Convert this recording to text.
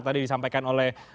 tadi disampaikan oleh